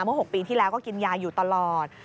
๖ปีที่แล้วก็กินยาอยู่ตลอด